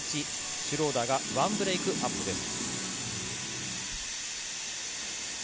シュローダーが１ブレークアップです。